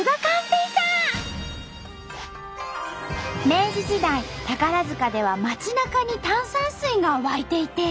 明治時代宝塚では街なかに炭酸水が湧いていて。